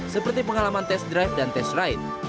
seperti pengalaman test drive dan test ride